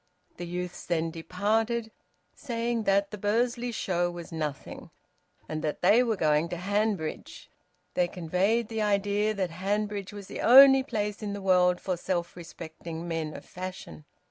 The youths then departed, saying that the Bursley show was nothing, and that they were going to Hanbridge; they conveyed the idea that Hanbridge was the only place in the world for self respecting men of fashion.